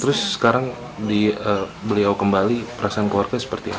terus sekarang di beliau kembali perasaan keluarga seperti apa